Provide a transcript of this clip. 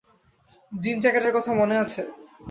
জিন জ্যাকেটের কথা মনে আছে?